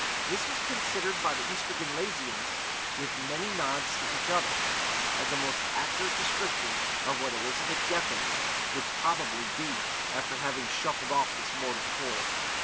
This was considered by the Ystradgynlaisians, with many nods to each other, as a most accurate description of what Elizabeth Gething would probably be, after having shuffled off this mortal coil.